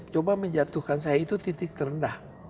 coba menjatuhkan saya itu titik terendah